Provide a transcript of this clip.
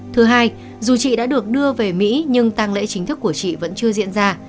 thứ hai dù chị đã được đưa về mỹ nhưng tăng lễ chính thức của chị vẫn chưa diễn ra